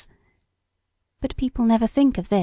But people never think of this.